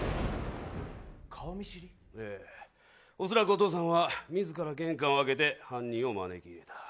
おそらく、お父さんは自ら玄関を開けて犯人を招き入れた。